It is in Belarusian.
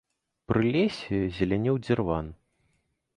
Пры лесе зелянеў дзірван.